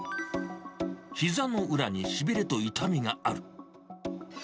ひざの裏にしびれと痛みがある。